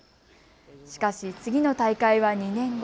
しかし次の大会は２年後。